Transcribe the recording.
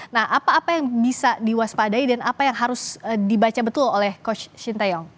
nah apa apa yang bisa diwaspadai dan apa yang harus dibaca betul oleh coach shin taeyong